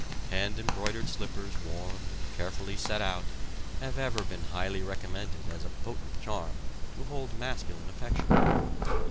Hand embroidered slippers warmed and carefully set out have ever been highly recommended as a potent charm to hold masculine affection.